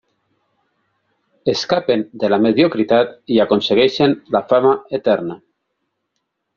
Escapen de la mediocritat i aconsegueixen la fama eterna.